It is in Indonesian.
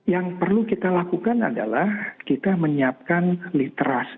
yang perlu kita lakukan adalah kita menyiapkan literasi